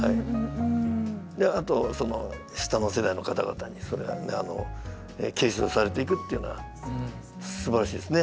であとその下の世代の方々にそれを継承されていくっていうのはすばらしいですね。